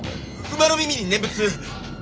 馬の耳に念仏。